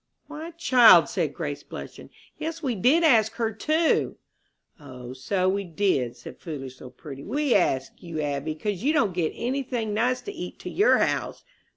"Why, child," said Grace, blushing, "yes we did ask her, too." "O, so we did," said foolish little Prudy. "We asked you, Abby, 'cause you don't get any thing nice to eat to your house!"